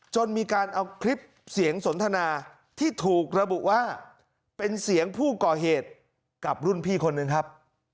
จนมีการเอาคลิปเสียงสนทนาที่ถูกระบุว่าเป็นเสียงผู้ก่อเหตุกับรุ่นพี่คนหนึ่งครับ